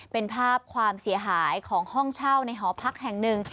เป็นภาพความเสียหายของห้องเช่าในหอพักแห่งหนึ่ง